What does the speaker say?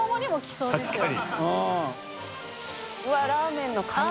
そうですね。